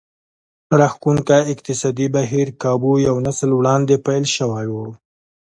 راښکوونکی اقتصادي بهير کابو یو نسل وړاندې پیل شوی و